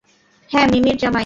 হ্যাঁ মিমি-র জামাই।